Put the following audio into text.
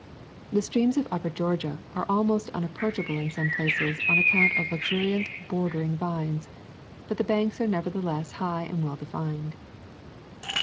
The streams of upper Georgia are al most unapproachable in some places on ac count of luxuriant bordering vines, but the banks are nevertheless high and well defined.